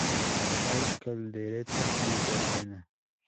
Hay caldereta y verbena.